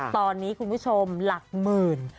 ตอนนี้คุณผู้ชมหลักหมื่น